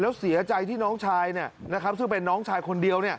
แล้วเสียใจที่น้องชายซึ่งเป็นน้องชายคนเดียว